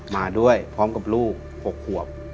มาด้วยพร้อมกับลูก๖ขวบ